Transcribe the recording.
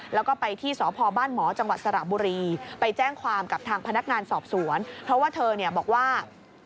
แล้วก็ไปที่สพบ้านหมอจังหวัดสระบุรีไปแจ้งความกับทางพนักงานสอบสวนเพราะว่าเธอเนี่ยบอกว่า